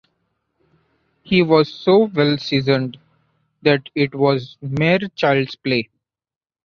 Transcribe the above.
He was so well seasoned, that it was mere child’s play.